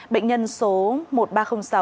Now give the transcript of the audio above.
bệnh nhân số một nghìn ba trăm linh sáu